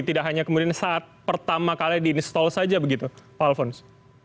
tidak hanya kemudian saat pertama kali di install saja begitu pak alfons